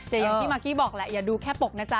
แต่อย่างที่มากกี้บอกแหละอย่าดูแค่ปกนะจ๊